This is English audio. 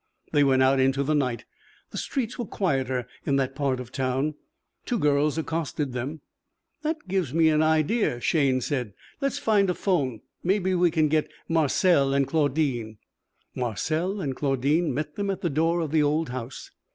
They went out into the night. The streets were quieter in that part of town. Two girls accosted them. "That gives me an idea," Shayne said. "Let's find a phone. Maybe we can get Marcelle and Claudine." Marcelle and Claudine met them at the door of the old house.